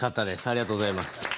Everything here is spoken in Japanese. ありがとうございます。